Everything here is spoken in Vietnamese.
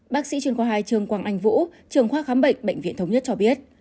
bác sĩ truyền khoa hai trường quang anh vũ trường khoa khám bệnh bệnh viện thống nhất cho biết